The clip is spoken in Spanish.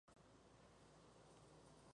Bajo la Presidencia del Lic.